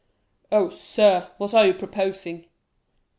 "Oh, sir, what are you proposing?"